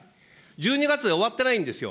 １２月で終わってないんですよ。